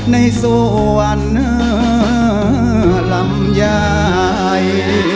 ในสวรรค์ลำใหญ่